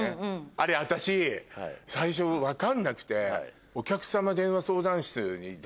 あれ私最初分かんなくて。